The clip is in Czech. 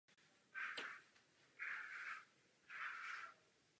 Odváží si však pokladnu a jede na popravu Pána Martina.